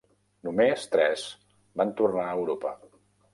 Només tres van tornar a Europa.